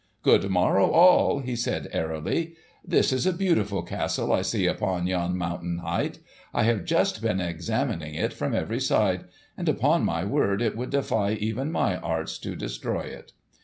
"Good morrow, all!" he said airily. "That is a beautiful castle I see upon yon mountain height. I have just been examining it from every side, and upon my word it would defy even my arts to destroy it!"